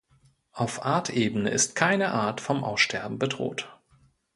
Auf Artebene ist keine Art vom Aussterben bedroht.